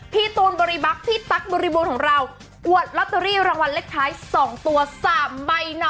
พี่ตูนบริบักษ์พี่ตั๊กบริบูรณ์ของเราอวดลอตเตอรี่รางวัลเลขท้าย๒ตัว๓ใบนะ